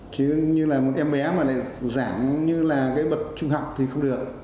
chứ như là một em bé mà lại giảm như là cái bậc trung học thì không được